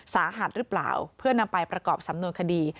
สาหัสหรือเปล่าเพื่อนำไปประกอบสำนวนคดี